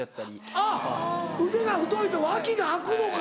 あっ腕が太いと脇が開くのが。